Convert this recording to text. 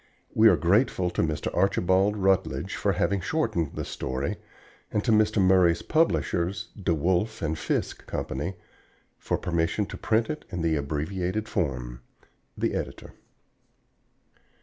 We are grateful to Mr. Archibald Rutledge for having shortened the story, and to Mr. Murray's publishers, De Wolfe and Fiske Company, for permission to print it in the abbreviated form._ THE EDITOR.